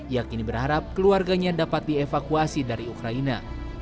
ia kini berharap keluarganya dapat dievakuasi dari ukraina